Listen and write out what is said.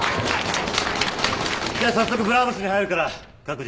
じゃあ早速ブラームスに入るから各自準備して。